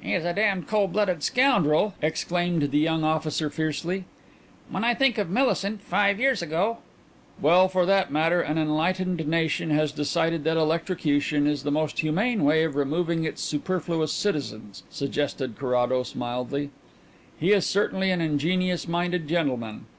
"He is a damned cold blooded scoundrel!" exclaimed the young officer fiercely. "When I think of Millicent five years ago " "Well, for that matter, an enlightened nation has decided that electrocution is the most humane way of removing its superfluous citizens," suggested Carrados mildly. "He is certainly an ingenious minded gentleman.